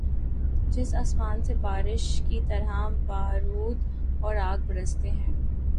جب آسمان سے بارش کی طرح بارود اور آگ‘ برستے ہیں۔